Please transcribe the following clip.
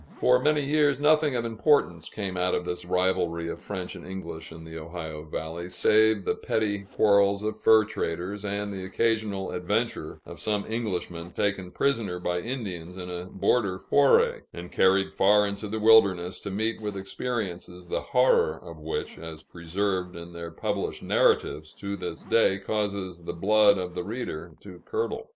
For many years, nothing of importance came out of this rivalry of French and English in the Ohio Valley, save the petty quarrels of fur traders, and the occasional adventure of some Englishman taken prisoner by Indians in a border foray, and carried far into the wilderness to meet with experiences the horror of which, as preserved in their published narratives, to this day causes the blood of the reader to curdle.